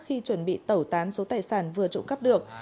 khi chuẩn bị tẩu tán số tài sản vừa trộm cắp được